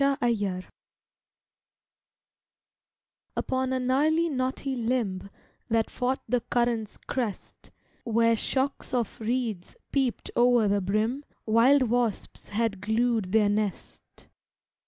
An Idyl Upon a gnarly, knotty limb That fought the current's crest, Where shocks of reeds peeped o'er the brim, Wild wasps had glued their nest.